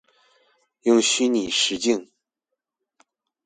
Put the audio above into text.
用虛擬實境